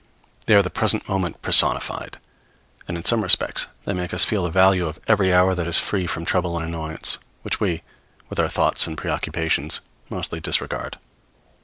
They are the present moment personified, and in some respects they make us feel the value of every hour that is free from trouble and annoyance, which we, with our thoughts and preoccupations, mostly disregard.